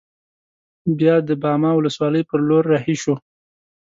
بیا د باما ولسوالۍ پر لور رهي شوو.